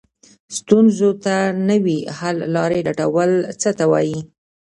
ستونزو ته نوې حل لارې لټول څه ته وایي؟